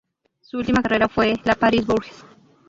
Su última carrera fue la París-Bourges.